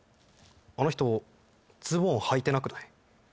あの人ズボンはいてなくない？